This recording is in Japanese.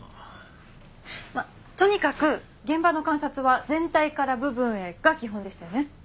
とにかく現場の観察は全体から部分へが基本でしたよね。